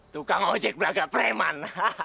tukang ojek belaga preman